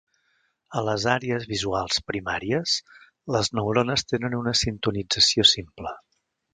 A les àrees visuals primàries, les neurones tenen una sintonització simple.